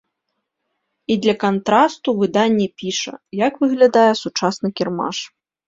І для кантрасту выданне піша, як выглядае сучасны кірмаш.